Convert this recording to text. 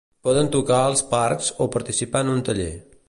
Poden tocar als parcs o participar en un taller.